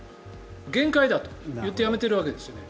限界だと言って辞めているわけですね。